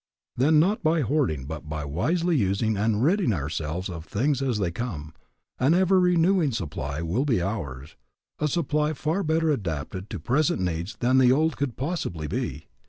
Then not by hoarding but by wisely using and ridding ourselves of things as they come, an ever renewing supply will be ours, a supply far better adapted to present needs than the old could possibly be.